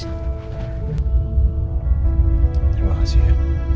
terima kasih ya